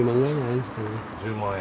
１０万円。